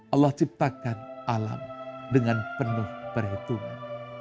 allah ciptakan alam dengan penuh perhitungan